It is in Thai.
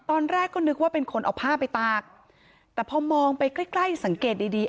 ตอนแรกก็นึกว่าเป็นคนเอาผ้าไปตากแต่พอมองไปใกล้ใกล้สังเกตดีดี